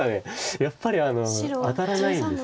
やっぱり当たらないんです